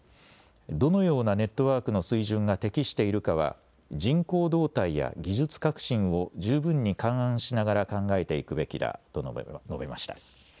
どのようなネットワークの水準が適しているかは人口動態や技術革新を十分に勘案しながら考えていくべきだと述べました。